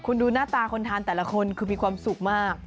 คุณดูหน้าตาคนทานแต่ละคนคือมีความสุขมาก